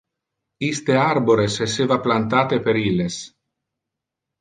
Iste arbores esseva plantate per illes.